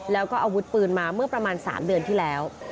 แล้วก็อาวุธปืนมาเมื่อประมาณ๓เดือนที่แล้ว